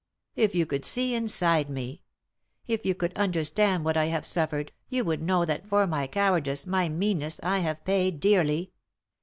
If you could see inside me ; if you could understand what I have suffered, you would know that for my cowardice, my meanness, I have paid dearly.